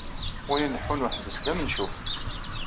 Win ileḥḥun uḥd-s d amencuf!